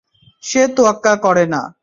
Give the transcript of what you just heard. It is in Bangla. সে তোয়াক্কা করে না।